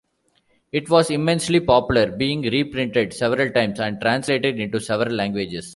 It was immensely popular being reprinted several times and translated into several languages.